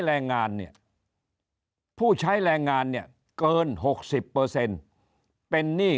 แรงงานเนี่ยผู้ใช้แรงงานเนี่ยเกิน๖๐เปอร์เซ็นต์เป็นหนี้